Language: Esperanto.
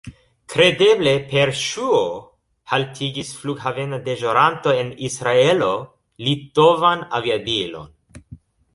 Kredeble per ŝuo haltigis flughavena deĵoranto en Israelo litovan aviadilon.